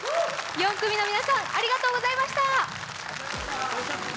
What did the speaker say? ４組の皆さん、ありがとうございました。